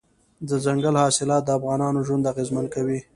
دځنګل حاصلات د افغانانو ژوند اغېزمن کوي.